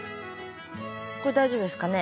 これ大丈夫ですかね？